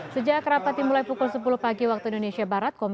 sejak rapat dimulai pukul sepuluh pagi waktu indonesia barat